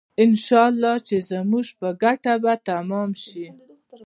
انشاالله چې زموږ په ګټه به تمام شي.